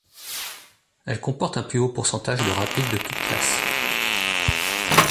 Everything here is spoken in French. Elle comporte un plus haut pourcentage de rapides de toutes classes.